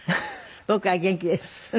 「僕は元気です」。